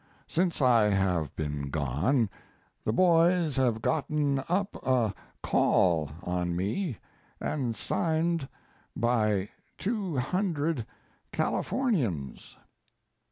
Since I have been gone, the boys have gotten up a "call" on me signed by two hundred Californians.